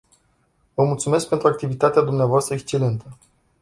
Vă mulțumesc pentru activitatea dvs. excelentă.